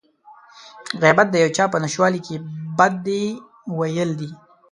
غيبت د يو چا په نشتوالي کې بدي ويل دي.